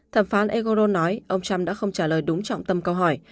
thẩm phán egoro nói ông trump đã không trả lời đúng trọng tâm câu hỏi